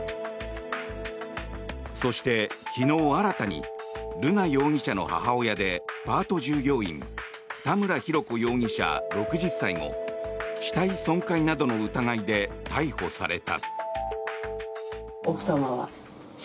そして昨日、新たに瑠奈容疑者の母親でパート従業員田村浩子容疑者、６０歳も死体損壊などの疑いで逮捕された。